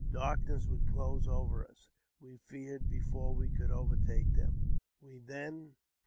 Darkness would close over us, we feared, before we could overtake them. We then ( JAMES P.